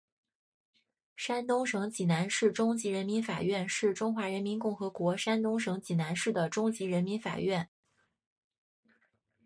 山东省济南市中级人民法院是中华人民共和国山东省济南市的中级人民法院。